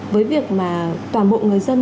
với việc mà toàn bộ người dân